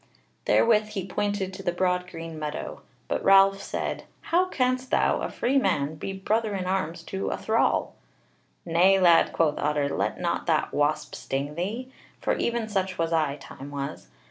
Therewith he pointed to the broad green meadow: but Ralph said: "How canst thou, a free man, be brother in arms to a thrall?" "Nay, lad," quoth Otter, "let not that wasp sting thee: for even such was I, time was.